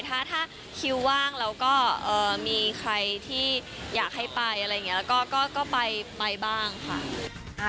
ถ้าคิวว่างแล้วก็มีใครที่อยากให้ไปอะไรอย่างนี้แล้วก็ไปบ้างค่ะ